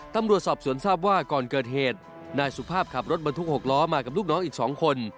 ตำรวจสอบสวนทราบว่าก่อนเกิดเหตุนายสุภาพขับรถบรรทุก๖ล้อมากับลูกน้องอีก๒คน